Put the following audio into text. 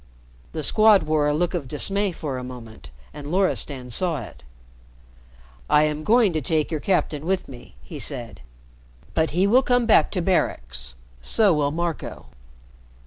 The Squad wore a look of dismay for a moment, and Loristan saw it. "I am going to take your captain with me," he said. "But he will come back to Barracks. So will Marco."